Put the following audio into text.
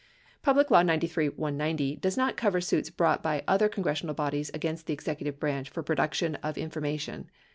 8 Public Law 93 190 does not cover suits brought by other con gressional bodies against the executive branch for production of infor mation.